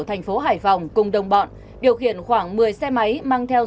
thành phố hải phòng cùng đồng bọn điều khiển khoảng một mươi xe máy mang theo